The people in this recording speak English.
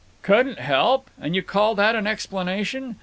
"Couldn't help—! And you call that an explanation!